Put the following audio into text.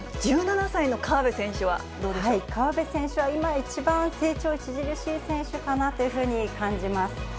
１７歳の河辺選手はどうでし河辺選手は今一番、成長著しい選手かなというふうに感じます。